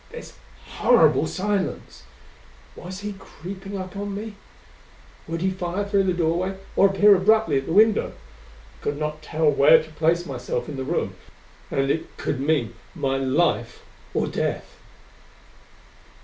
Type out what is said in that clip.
This horrible silence! Was he creeping up on me? Would he fire through the doorway, or appear abruptly at the window? I could not tell where to place myself in the room and it could mean my life or death.